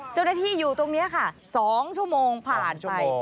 เจ้าหน้าที่อยู่ตรงนี้ค่ะ๒ชั่วโมงผ่านไป